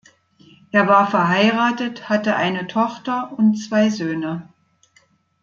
Er war verheiratet, hatte eine Tochter und zwei Söhne.